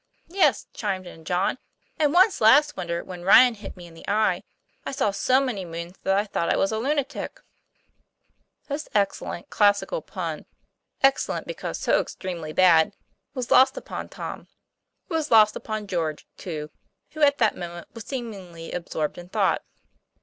'Yes," chimed in John, " and once last winter when Ryan hit me in the eye, I saw so many moons that I thought I was a lunatic." This excellent classical pun excellent because so extremely bad was lost upon Tom. It was lost upon George, too, who at that moment was seemingly absorbed in thought.